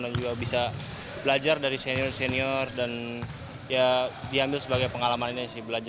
dan juga bisa belajar dari senior senior dan diambil sebagai pengalaman ini